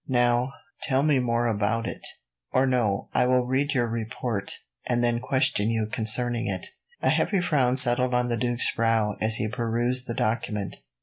Now, tell me more about it; or no, I will read your report, and then question you concerning it." A heavy frown settled on the duke's brow, as he perused the document.